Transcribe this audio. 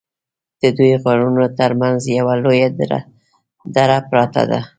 ددوو غرونو تر منځ یوه لویه دره پراته ده